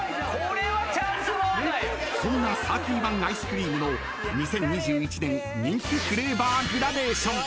［そんなサーティワンアイスクリームの２０２１年人気フレーバーグラデーション］